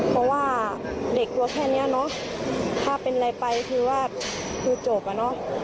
เพราะว่าเด็กตัวแค่นี้เนอะถ้าเป็นอะไรไปคือว่าคือจบอะเนาะ